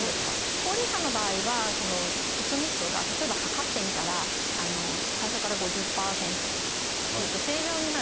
高齢者の場合は骨密度が例えば測ってみたら最初から５０％でしたとかっていうと正常になる